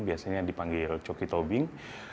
biasanya dipanggil coki tobing